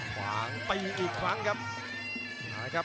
ขวางตีอีกครั้งครับ